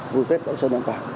vui tết cộng sơn an toàn